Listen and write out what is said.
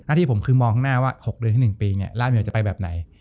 ที่ผมคือมองข้างหน้าว่า๖เดือนที่๑ปีร่ายจะไปแบบไหน